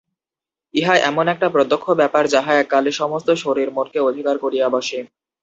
ইহা এমন একটা প্রত্যক্ষ ব্যাপার যাহা এক কালে সমস্ত শরীর মনকে অধিকার করিয়া বসে।